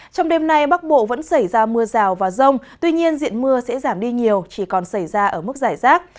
trong đêm nay bắc bộ vẫn xảy ra mưa rào và rông tuy nhiên diện mưa sẽ giảm đi nhiều chỉ còn xảy ra ở mức giải rác